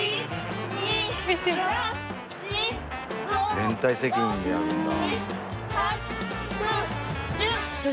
連帯責任でやるんだ。